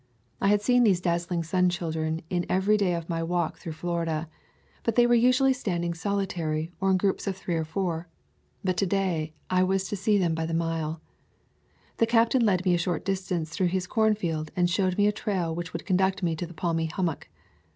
I had seen these dazzling sun children in every day of my walk through Florida, but they were usually standing soli tary, or in groups of three or four; but to day I was to see them by the mile. The captain led me a short distance through his corn field and showed me a trail which would conduct me to the palmy hummock.